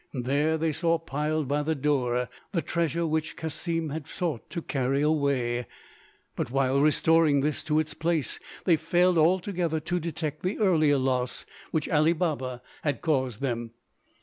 There they saw piled by the door the treasure which Cassim had sought to carry away; but while restoring this to its place they failed altogether to detect the earlier loss which Ali Baba had caused them.